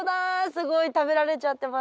すごい食べられちゃってますね。